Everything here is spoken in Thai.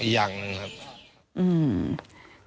ถึงมาสอน